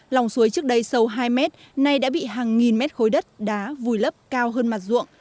lòng suối trước đây sâu hai mét nay đã bị hàng nghìn mét khối đất đá vùi lấp cao hơn mặt ruộng